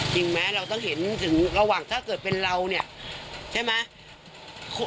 จริงไหมเราต้องเห็นถึงระหว่างถ้าเกิดเป็นเราเนี่ยใช่ไหม